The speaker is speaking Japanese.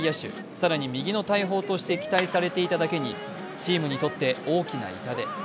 更に右の大砲として期待されていただけにチームにとって大きな痛手。